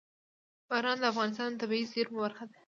باران د افغانستان د طبیعي زیرمو برخه ده.